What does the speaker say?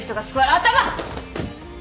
頭！